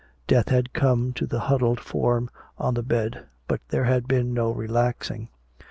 Death had come to the huddled form on the bed, but there had been no relaxing.